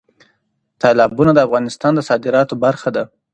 تالابونه د افغانستان د صادراتو برخه ده.